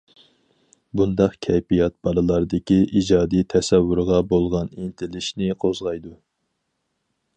بۇنداق كەيپىيات بالىلاردىكى ئىجادىي تەسەۋۋۇرغا بولغان ئىنتىلىشنى قوزغايدۇ.